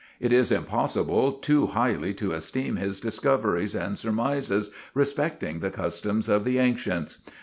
It is impossible too highly to esteem his discoveries and surmises respecting the customs of the Ancients.